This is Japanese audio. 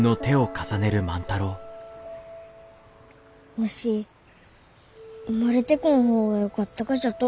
わし生まれてこん方がよかったがじゃと。